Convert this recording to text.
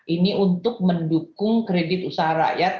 ini untuk mendukung kredit usaha rakyat